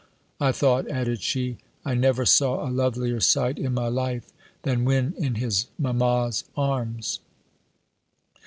I thought," added she, "I never saw a lovelier sight in my life, than when in his mamma's arms."